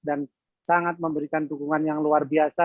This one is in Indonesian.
dan sangat memberikan dukungan yang luar biasa